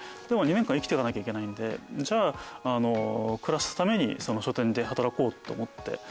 でも２年間生きてかなきゃいけないんでじゃあ暮らすために書店で働こうと思って。